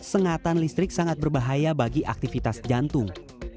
sengatan listrik sangat berbahaya bagi aktivitas jantung